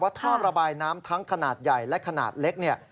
ท่อระบายน้ำทั้งขนาดใหญ่และขนาดเล็กเนี่ย